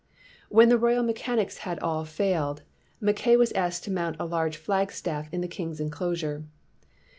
When the royal mechanics had all failed, Mackay was asked to mount a huge flagstaff in the king's enclosure.